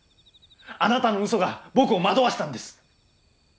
あなたのうそが僕を惑わしたんです！